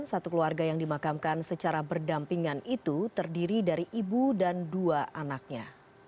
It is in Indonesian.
satu keluarga yang dimakamkan secara berdampingan itu terdiri dari ibu dan dua anaknya